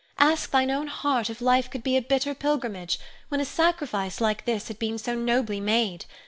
Ask thine own heart if life could be a bitter pilgrimage, when a sacrifice like this had been so nobly made.